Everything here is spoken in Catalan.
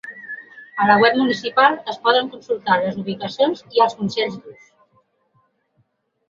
A la web municipal es poden consultar les ubicacions i els consells d’ús.